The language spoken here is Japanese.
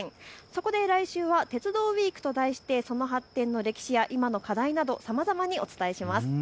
そこで来週は鉄道ウイークと題してその発展の歴史や今の課題などさまざまにお伝えします。